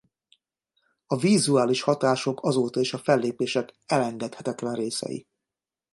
A vizuális hatások azóta is a fellépések elengedhetetlen részei.